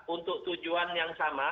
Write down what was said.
untuk tujuan yang sama